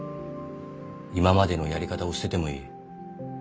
今までのやり方を捨ててもいい。